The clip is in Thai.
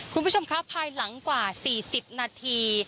คุณผู้ชมครับภายหลังกว่า๔๐นาที